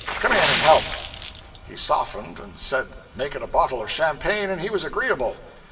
Come in and help.' He softened, and said make it a bottle of champagne and he was agreeable.